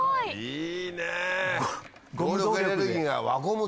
いいね！